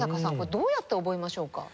どうやって覚えましょうか？